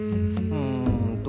うんと。